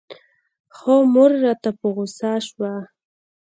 خو مور راته په غوسه سوه.